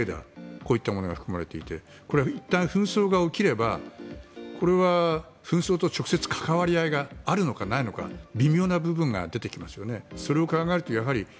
こういったものが含まれていてこれはいったん紛争が起きればこれは紛争と直接関わり合いがあるのかないのか微妙な部分が出てきますよね。